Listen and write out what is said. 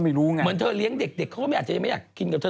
เหมือนเธอเลี้ยงเด็กเขาก็ไม่อาจจะยังไม่อยากกินกับเธอ